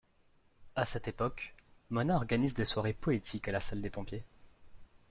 À cette époque, Mona organise des soirées poétiques à la salle des pompiers.